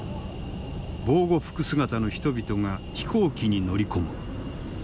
防護服姿の人々が飛行機に乗り込む。